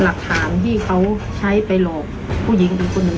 หลักฐานที่เขาใช้ไปหลอกผู้หญิงอีกคนหนึ่ง